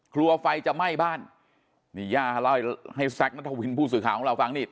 กลัวไฟจะไหม้บ้านนี่ย่าเล่าให้แซคนัทวินผู้สื่อข่าวของเราฟังนี่